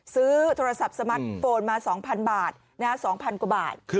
ซื้อโทรศัพท์สมาร์ทโฟนมา๒๐๐บาท๒๐๐กว่าบาท